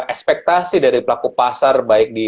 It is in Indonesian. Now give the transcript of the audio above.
ekspektasi dari pelaku pasar baik di